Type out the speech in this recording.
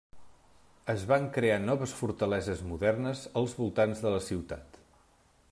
Es van crear noves fortaleses modernes als voltants de la ciutat.